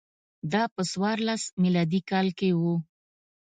دا په څوارلس میلادي کال کې و